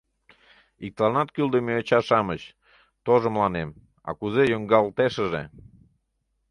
Иктыланат кӱлдымӧ йоча-шамыч, тожо мыланем, а, кузе йоҥгалтешыже!